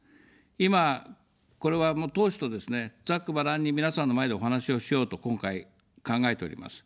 今、これは党首とですね、ざっくばらんに皆さんの前でお話をしようと今回、考えております。